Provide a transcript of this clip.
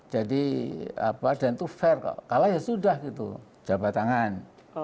jadi dan itu fair kalau ya sudah jawab tangan